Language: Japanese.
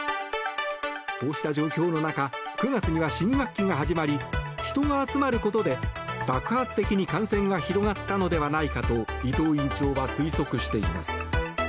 こうした状況の中９月には新学期が始まり人が集まることで爆発的に感染が広がったのではないかと伊藤院長は推測しています。